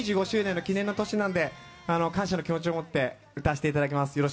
２５周年の記念の年なので感謝の気持ちをもって歌わせていただきます。